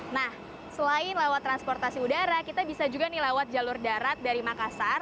nah selain lewat transportasi udara kita bisa juga nih lewat jalur darat dari makassar